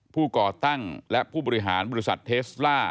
ก่อตั้งและผู้บริหารบริษัทเทสล่า